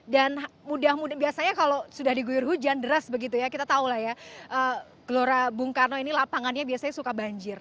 dan mudah mudahan biasanya kalau sudah diguyur hujan deras begitu ya kita tahu lah ya glora bungkano ini lapangannya biasanya suka banjir